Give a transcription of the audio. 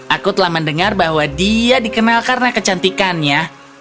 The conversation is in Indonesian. aku telah mendengar bahwa dia dikenal karena kecantikannya